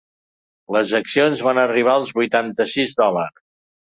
Les accions van arribar als vuitanta-sis dòlars.